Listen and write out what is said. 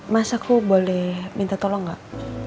mas aku boleh minta tolong gak